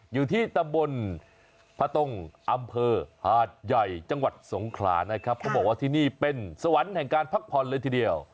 อยู่ที่ตำบลพะตงอำเภอหาดใหญ่จังหวัดสงขลานะครับเขาบอกว่าที่นี่เป็นสวรรค์แห่งการพักผ่อนเลยทีเดียว